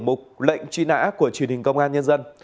mục lệnh truy nã của truyền hình công an nhân dân